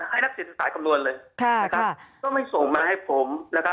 ให้นักศึกษาคำนวณเลยก็ไม่ส่งมาให้ผม